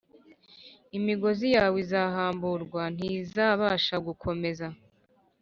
Imigozi yawe izahamburwa ntizabasha gukomeza